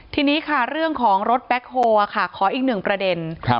ทีนี้ค่ะเรื่องของรถแบ็คโฮลค่ะขออีกหนึ่งประเด็น